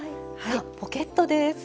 ポケットです。